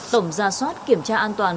tổng ra soát kiểm tra an toàn